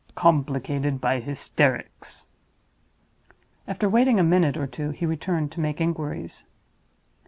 "Complicated by hysterics." After waiting a minute or two he returned to make inquiries.